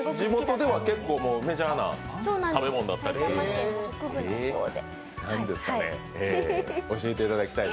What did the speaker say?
地元では結構メジャーな食べ物だったり？